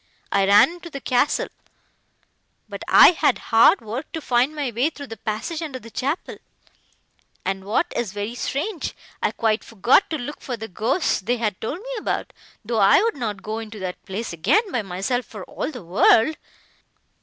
I ran into the castle, but I had hard work to find my way through the passage under the chapel, and what is very strange, I quite forgot to look for the ghosts they had told me about, though I would not go into that place again by myself for all the world!